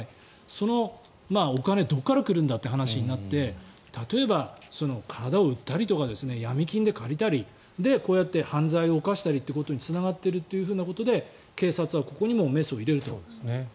そのお金はどこから来るんだという話になって例えば体を売ったりとかヤミ金で借りたりで、こうやって犯罪を犯したりということにつながってるということで警察はここにもメスを入れると。